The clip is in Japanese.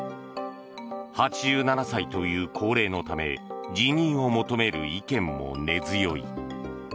８７歳という高齢のため辞任を求める意見も根強い。